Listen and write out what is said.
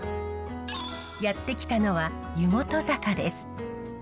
やって来たのは湯本坂です。